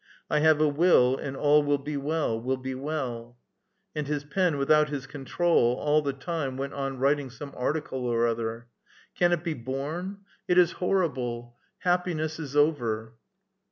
I have a will, and all will be well, will be well." And his pen, without his control, all the time went on writing some article or other. " Can it be borne? It is horrible ! Happiness is over